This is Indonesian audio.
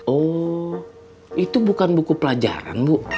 oh itu bukan buku pelajaran bu